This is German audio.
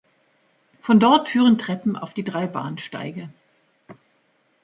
Von dort führen Treppen auf die drei Bahnsteige.